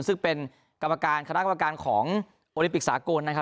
ซึ่งเป็นกรรมการคณะกรรมการของโอลิมปิกสากลนะครับ